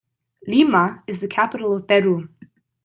Lima is the capital of Peru.